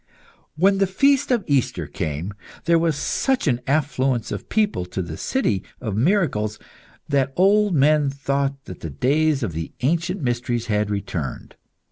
When the feast of Easter came there was such an affluence of people to this city of miracles that old men thought that the days of the ancient mysteries had returned.